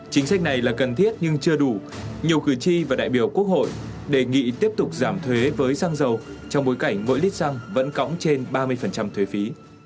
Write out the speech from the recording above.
chính sách này là cần thiết nhưng chưa đủ nhiều cử tri và đại biểu quốc hội đề nghị tiếp tục giảm thuế với xăng dầu trong bối cảnh mỗi lít xăng vẫn cõng trên ba mươi thuế phí